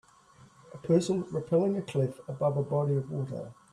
A person rappelling a cliff above a body of water.